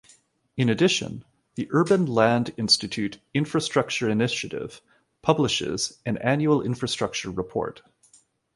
In addition, the Urban Land Institute Infrastructure Initiative publishes an annual infrastructure report.